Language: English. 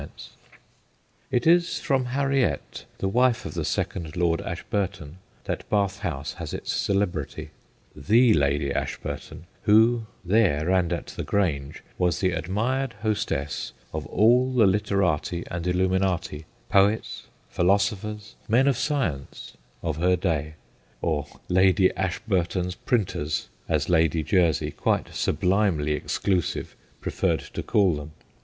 56 THE GHOSTS OF PICCADILLY It is from Harriet, the wife of the second Lord Ashburton, that Bath House has its celebrity ; the Lady Ashburton who, there and at the Grange, was the admired hostess of all the literati and illuminati, poets, philosophers, men of science, of her day or ' Lady Ashburton's printers/ as Lady Jersey, quite sublimely exclusive, preferred to call them.